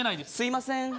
すいません